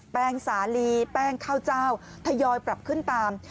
งสาลีแป้งข้าวเจ้าทยอยปรับขึ้นตาม